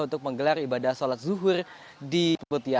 untuk menggelar ibadah sholat zuhur di mutia